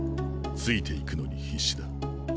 ついていくのに必死だ。